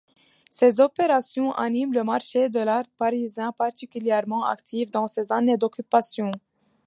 Ces opérations animent le marché de l'art parisien particulièrement actif dans ces années d'occupation.